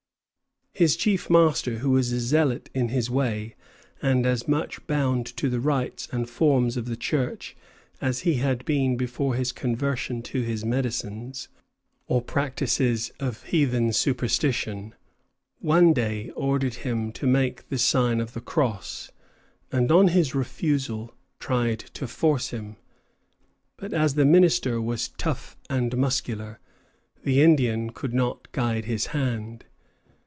His chief master, who was a zealot in his way, and as much bound to the rites and forms of the Church as he had been before his conversion to his "medicines," or practices of heathen superstition, one day ordered him to make the sign of the cross, and on his refusal, tried to force him. But as the minister was tough and muscular, the Indian could not guide his hand.